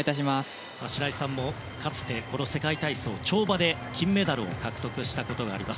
白井さんもかつて、この世界体操の跳馬で金メダルを獲得したことがあります。